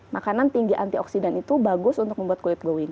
makanan tinggi antioksidan itu bagus untuk membuat kulit going